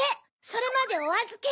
それまでおあずけ！